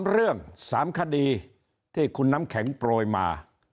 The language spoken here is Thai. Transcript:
เรื่อง๓คดีที่คุณน้ำแข็งโปรยมา